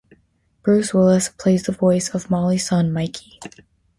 Bruce Willis plays the voice of Mollie's son, Mikey.